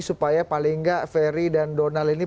supaya paling gak ferry dan donal ini